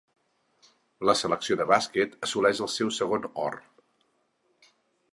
La selecció de bàsquet assoleix el seu segon or.